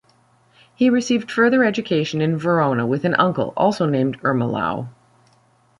He received further education in Verona with an uncle, also named Ermolao.